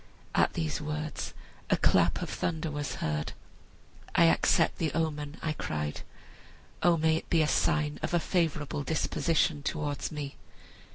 At these words a clap of thunder was heard. 'I accept the omen,' I cried; 'O may it be a sign of a favorable disposition towards me!'